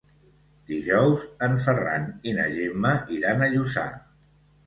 Dijous en Ferran i na Gemma iran a Lluçà.